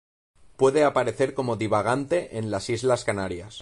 Puede aparecer como divagante en las islas Canarias.